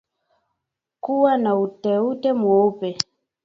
Kuwa na uteute mweupe